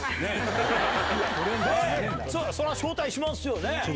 そりゃ招待しますよね！